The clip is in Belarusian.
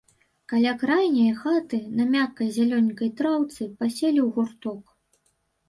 Каля крайняе хаты, на мяккай зялёненькай траўцы, паселі ў гурток.